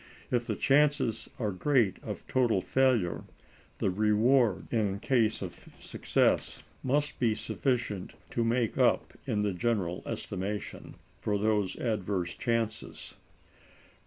If the chances are great of total failure, the reward in case of success must be sufficient to make up, in the general estimation, for those adverse chances.